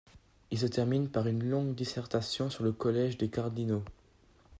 Il se termine par une longue dissertation sur le Collège des Cardinaux.